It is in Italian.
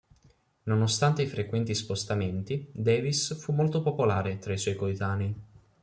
Nonostante i frequenti spostamenti, Davis fu molto popolare tra i suoi coetanei.